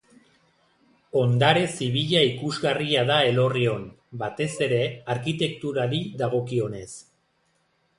Ondare zibila ikusgarria da Elorrion, batez ere arkitekturari dagokionez.